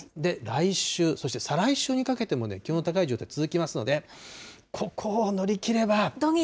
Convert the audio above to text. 来週、そして再来週にかけてもね、気温の高い状態続きますので、ここを乗り切れば。